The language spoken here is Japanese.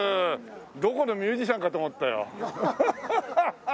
どこのミュージシャンかと思ったよ。